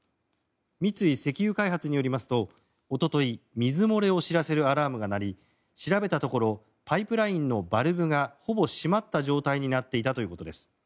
三井石油開発によりますとおととい水漏れを知らせるアラームが鳴り調べたところパイプラインのバルブがほぼ閉まった状態になっていたということです。